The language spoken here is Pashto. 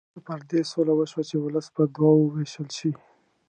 وروسته پر دې سوله وشوه چې ولس په دوه وو وېشل شي.